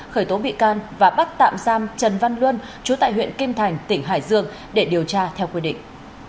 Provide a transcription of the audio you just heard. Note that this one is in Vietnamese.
khởi tố bị can và bắt tạm giam trần văn luân chú tại huyện kim thành tỉnh hải dương để điều tra theo quy định